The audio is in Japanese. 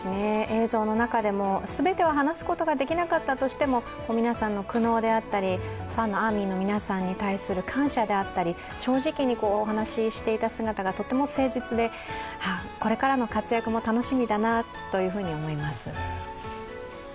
映像の中でも全てを話すことができなかったとしても、皆さんの苦悩であったりファンのＡＲＭＹの皆さんに対する感謝であったり、正直にお話ししていた姿がとっても誠実で、これからの活躍も楽しみだなと思います。